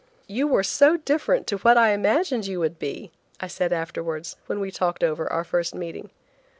"You were so different to what I imagined you would be," I said afterwards, when we talked over our first meeting.